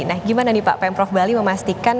nah bagaimana pak pemprov bali memastikan